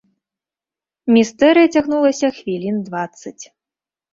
Містэрыя цягнулася хвілін дваццаць.